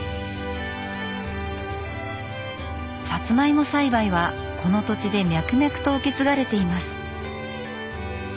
さつまいも栽培はこの土地で脈々と受け継がれています。